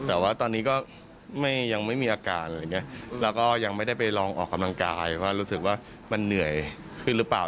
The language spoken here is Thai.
แต่ว่าตอนนี้ก็ยังไม่มีอาการอะไรอย่างนี้แล้วก็ยังไม่ได้ไปลองออกกำลังกายว่ารู้สึกว่ามันเหนื่อยขึ้นหรือเปล่า